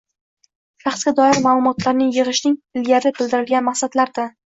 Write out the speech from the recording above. Shaxsga doir ma’lumotlarni yig‘ishning ilgari bildirilgan maqsadlaridan